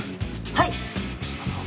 はい。